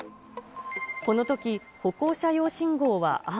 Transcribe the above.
このとき、歩行者用信号は青。